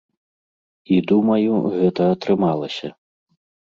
І думаю, гэта атрымалася.